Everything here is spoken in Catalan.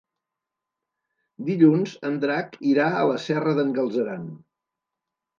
Dilluns en Drac irà a la Serra d'en Galceran.